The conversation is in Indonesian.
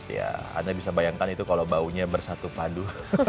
ya anda bisa bayangkan itu kalau baunya bersatu padu